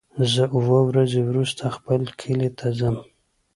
زه اووه ورځې وروسته خپل کلی ته ځم.